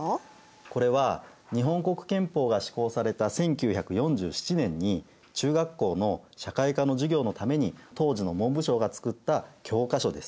これは日本国憲法が施行された１９４７年に中学校の社会科の授業のために当時の文部省が作った教科書です。